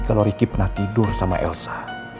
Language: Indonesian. kalau riki pernah tidur sama elsa